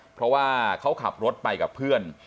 เพราะว่าเขาขับรถไปกับเพื่อน